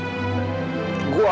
gue akan tanggung jawab